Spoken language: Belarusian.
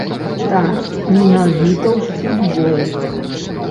Так, менавіта ў футбол.